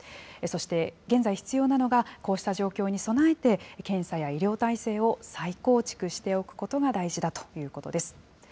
そして、現在必要なのが、こうした状況に備えて、検査や医療体制を再構築しておくことが大事だということです。